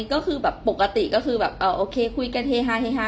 ก็คือแบบปกติก็คือแบบโอเคคุยกันเฮฮาเฮฮา